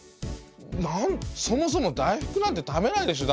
なんそもそも大福なんて食べないでしょ